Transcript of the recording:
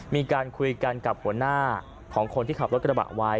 มีการคุยกันกับหัวหน้าของคนที่ขับรถกระบะไว้